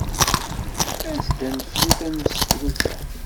As-d ad nefru tamsefrut-a.